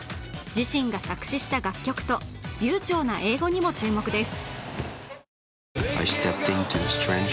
自身が作詞した楽曲と流ちょうな英語にも注目です。